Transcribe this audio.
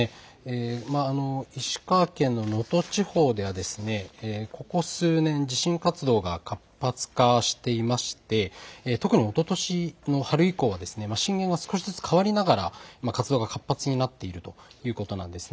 石川県の能登地方ではここ数年、地震活動が活発化していまして特におととしの春以降は震源が少しずつ変わりながら活動が活発になっているということなんです。